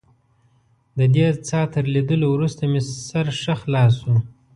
ددې څاه تر لیدلو وروسته مې سر ښه خلاص شو.